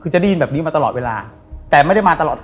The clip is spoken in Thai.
คือจะได้ยินแบบนี้มาตลอดเวลาแต่ไม่ได้มาตลอด